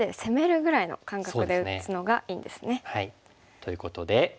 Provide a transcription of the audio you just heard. ということで。